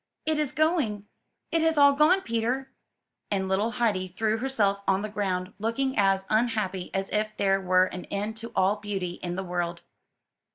It is going! it has all gone, Peter !^' and little Heidi threw herself on the ground, looking as unhappy as if there were an end to all beauty in the world.